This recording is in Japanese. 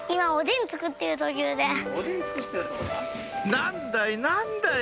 「何だい何だい」